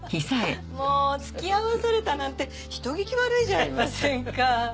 もうつきあわされたなんて人聞き悪いじゃありませんか。